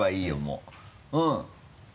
うん。